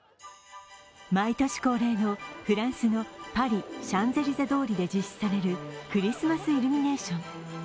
毎年恒例のフランスのパリ・シャンゼリゼ通りで実施されるクリスマスイルミネーション。